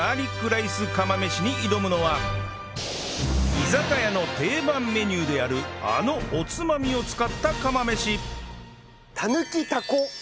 居酒屋の定番メニューであるあのおつまみを使った釜飯何？